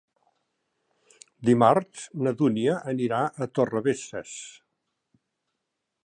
Dimarts na Dúnia anirà a Torrebesses.